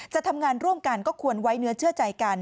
จะทำงานร่วมกันก็ควรไว้เนื้อเชื่อใจกัน